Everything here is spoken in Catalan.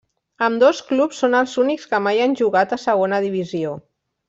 Ambdós clubs són els únics que mai han jugat a segona divisió.